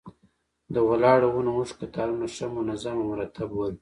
د ولاړو ونو اوږد قطارونه ښه منظم او مرتب ول.